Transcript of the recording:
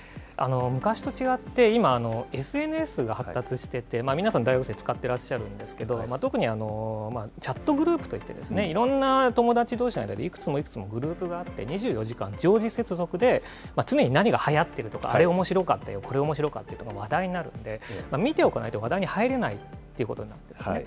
昔と違って、今、ＳＮＳが発達してて、皆さん大学生、使ってらっしゃるんですけど、特にチャットグループといって、いろんな友達どうしの間でいくつもいくつもグループがあって、２４時間、常時接続で、常に何がはやってるとか、あれおもしろかったよ、これおもしろかったとか、話題になるので、見ておかないと話題に入れないということなんですね。